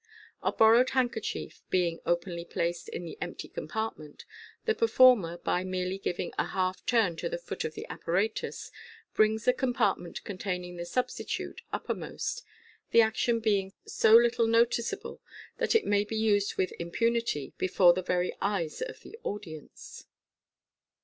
A borrowed handkerchief being openly placed in th* empty compartment, the performer, by merely giving a half turn to the foot of the apparatus, brings the compartment containing the substitute uppermost, the action being so little noticeable that it may be used with impunity before the very eyes of the audience.